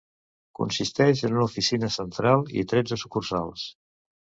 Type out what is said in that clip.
Consisteix en una oficina central i tretze sucursals.